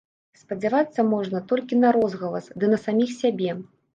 Спадзявацца можна толькі на розгалас, ды на саміх сябе.